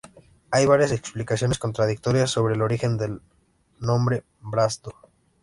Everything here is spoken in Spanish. Hay varias explicaciones contradictorias sobre el origen del nombre "Bras d'Or".